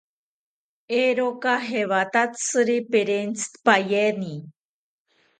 ¿Eeroka jewatatziri perentzipaeni?